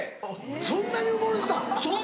そんなに埋もれてたん？